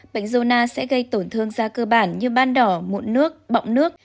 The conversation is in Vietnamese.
bệnh zona sẽ gây tổn thương da cơ bản như ban đỏ mụn nước bọng nước